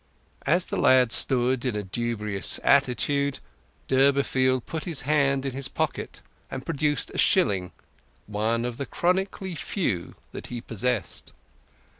As the lad stood in a dubious attitude, Durbeyfield put his hand in his pocket, and produced a shilling, one of the chronically few that he possessed.